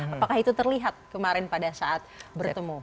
apakah itu terlihat kemarin pada saat bertemu